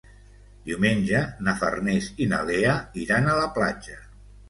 Diumenge na Farners i na Lea iran a la platja.